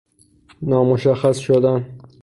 نامشخص شدن